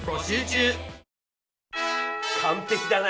完璧だな！